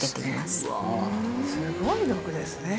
すごい毒ですね。